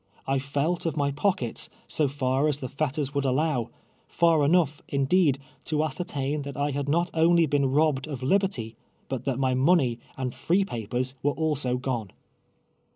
1 felt of my ]^o(dvets, so far iis the fetters would aUow — far enough, indee<l, to ascertain that I liad not only been robbed of liberty, Ijut that my nutney and free pai)ers were also gone